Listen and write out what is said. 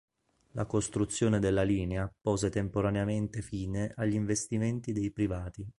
La costruzione della linea pose temporaneamente fine agli investimenti dei privati.